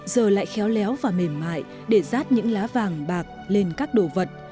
giờ lại khéo léo và mềm mại để rát những lá vàng bạc lên các đồ vật